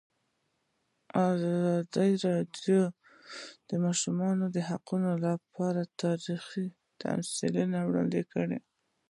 ازادي راډیو د د ماشومانو حقونه په اړه تاریخي تمثیلونه وړاندې کړي.